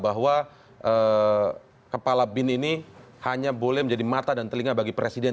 bahwa kepala bin ini hanya boleh menjadi mata dan telinga bagi presiden